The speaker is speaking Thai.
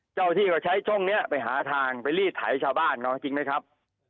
เจ้าที่ก็ใช้ช่องนี้ไปหาทางไปรีดไถชาวบ้านเนาะจริงไหมครับ